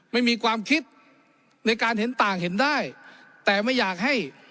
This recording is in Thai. ไม่มีความคิดในการเห็นต่างเห็นได้แต่ไม่อยากให้